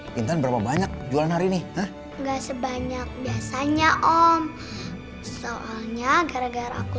bintang berapa banyak jualan hari ini enggak sebanyak biasanya om soalnya gara gara aku